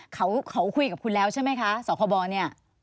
เขาคุยกับคุณแล้วใช่ไหมคะสคบเนี่ย